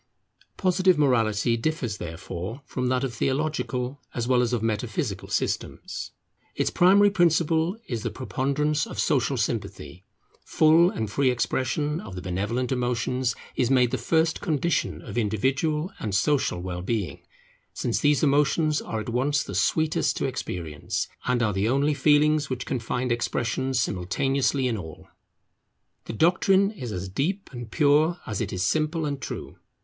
Positive morality differs therefore from that of theological as well as of metaphysical systems. Its primary principle is the preponderance of Social Sympathy. Full and free expansion of the benevolent emotions is made the first condition of individual and social well being, since these emotions are at once the sweetest to experience, and are the only feelings which can find expression simultaneously in all. The doctrine is as deep and pure as it is simple and true.